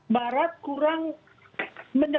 barat kurang menegaskan keamanan